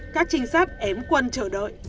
các trinh sát ém quân chờ đợi